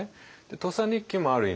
「土佐日記」もある意味